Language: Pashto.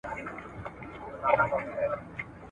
د پښتو ژبې په اړه د نړیوالو ژبپوهانو څېړنې خورا د اهمیت وړ دي.